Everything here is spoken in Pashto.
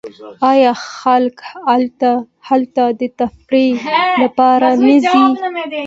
آیا خلک هلته د تفریح لپاره نه ځي؟